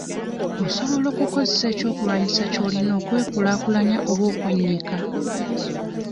Osobolo okukozesa eky'okulwanisa ky'olina okwekulaakulanya oba okwennyika.